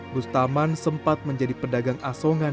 bustaman sempat menjadi pedagang asongan